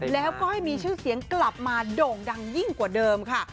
แล้วก็ให้มีชื่อเสียงกลับมาโด่งดังยิ่งกว่าเดิมค่ะ